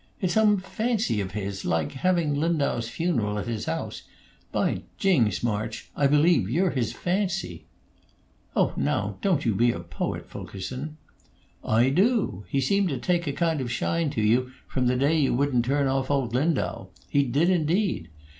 It's some fancy of his like having Lindau's funeral at his house By Jings, March, I believe you're his fancy!" "Oh, now! Don't you be a poet, Fulkerson!" "I do! He seemed to take a kind of shine to you from the day you wouldn't turn off old Lindau; he did, indeed.